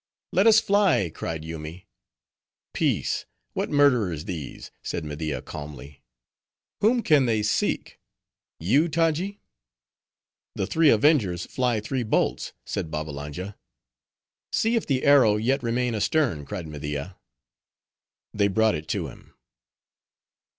"Let us fly!" cried Yoomy "Peace! What murderers these?" said Media, calmly; "whom can they seek?—you, Taji?" "The three avengers fly three bolts," said Babbalanja. "See if the arrow yet remain astern," cried Media. They brought it to him.